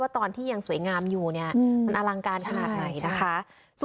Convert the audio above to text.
ว่าตอนที่ยังสวยงามอยู่มันอลังการขาดไหนนะคะ